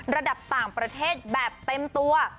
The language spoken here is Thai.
ระดับต่างประเทศแบบเต็มตัว